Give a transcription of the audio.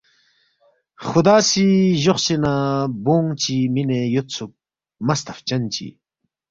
خدا سی جوخ چی نہ بونگ چی مینے یود سُوک مہ ستف چن چہ